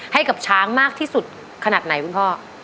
ให้กับช้างมากที่สุดขนาดไหนคุณพ่อ